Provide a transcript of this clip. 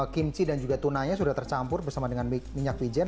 kimchi dan juga tunanya sudah tercampur bersama dengan minyak wijen